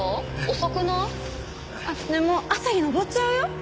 遅くない？ねえもう朝日昇っちゃうよ！